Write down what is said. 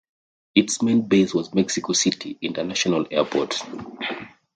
Its main base was Mexico City International Airport.